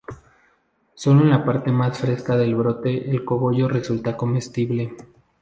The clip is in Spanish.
Solo en la parte más fresca del brote el cogollo resulta comestible.